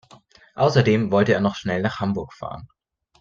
Außerdem wollte er noch schnell nach Hamburg fahren